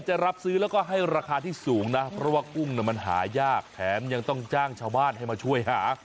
จะรับซื้อแล้วก็ให้ราคาที่สูงนะเพราะว่ากุ้งมันหายากแถมยังต้องจ้างชาวบ้านให้มาช่วยหา